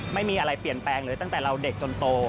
ไม่มีอะไรเปลี่ยนแปลงเลยตั้งแต่เราเด็กจนโต